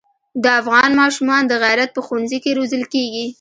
د افغان ماشومان د غیرت په ښونځي کې روزل کېږي.